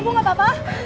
ibu ibu gak apa apa